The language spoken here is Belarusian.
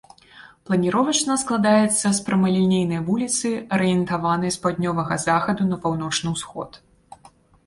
Планіровачна складаецца з прамалінейнай вуліцы, арыентаванай з паўднёвага захаду на паўночны ўсход.